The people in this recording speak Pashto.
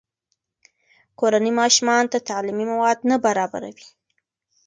کورنۍ ماشومانو ته تعلیمي مواد نه برابروي.